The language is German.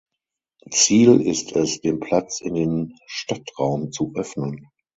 Ziel ist es, den Platz in den Stadtraum zu öffnen.